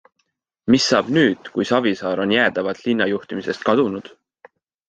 Mis saab nüüd kui Savisaar on jäädavalt linnajuhtimisest kadunud?